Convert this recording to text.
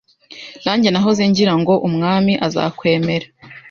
Nanjye nahoze ngira ngo umwami azakwemera.